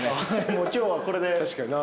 もう今日はこれで。